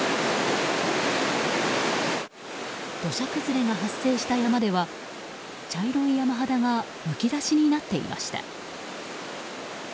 土砂崩れが発生した山では茶色い山肌がむき出しになっていました。